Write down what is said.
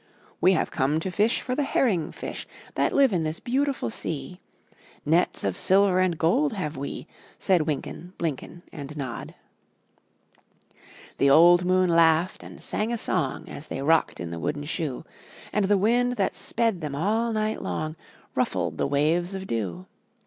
''We have come to fish for the herring fish That live in this beautiful sea; Nets of silver and gold have we!'* Said Wynken, BIynken, and Nod. The old moon laughed and sang a song, As they rocked in the wooden shoe, And the wind that sped them all night long Ruffled the waves of dew.